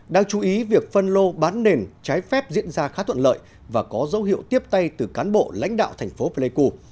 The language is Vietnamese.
đáng chú ý việc phân lô bán nền trái phép diễn ra khá thuận lợi và có dấu hiệu tiếp tay từ cán bộ lãnh đạo thành phố pleiku